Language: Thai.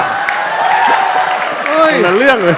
เหมือนเรื่องเลย